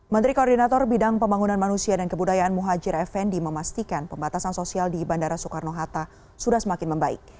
menteri koordinator bidang pembangunan manusia dan kebudayaan muhajir effendi memastikan pembatasan sosial di bandara soekarno hatta sudah semakin membaik